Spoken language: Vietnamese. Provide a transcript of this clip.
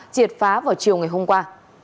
triệt phá vào chiều ngày hôm qua